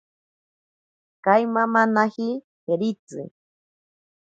Kaimamanaji jeritzi.